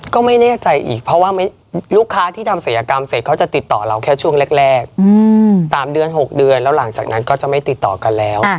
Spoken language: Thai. ก็ไม่แน่ใจอีกเพราะว่าลูกค้าที่ทำศัยกรรมเสร็จเขาจะติดต่อเราแค่ช่วงแรก๓เดือน๖เดือนแล้วหลังจากนั้นก็จะไม่ติดต่อกันแล้ว